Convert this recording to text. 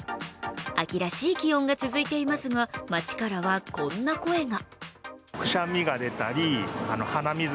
秋らしい気温が続いていますが、街からはこんな声が。